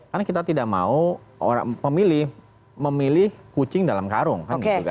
karena kita tidak mau pemilih memilih kucing dalam karung